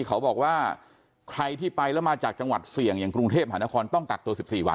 เขาบอกว่าใครที่ไปแล้วมาจากจังหวัดเสี่ยงอย่างกรุงเทพหานครต้องกักตัว๑๔วัน